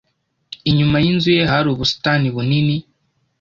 Inyuma yinzu ye hari ubusitani bunini.